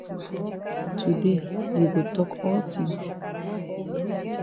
Today we go tok all tin.